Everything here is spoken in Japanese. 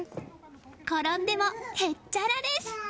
転んでもへっちゃらです！